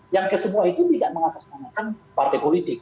yang kesemua itu tidak mengatas manakan partai politik